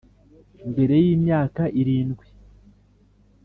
mbere yi myaka irindwi,